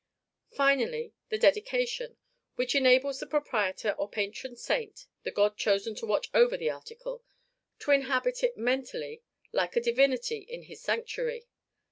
Finally, the DEDICATION, which enables the proprietor or patron saint the god chosen to watch over the article to inhabit it mentally, like a divinity in his sanctuary.